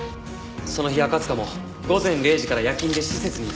その日赤塚も午前０時から夜勤で施設にいたんです。